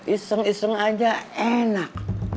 iseng iseng saja enak